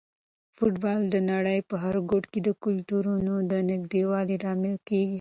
فوټبال د نړۍ په هر ګوټ کې د کلتورونو د نږدېوالي لامل کیږي.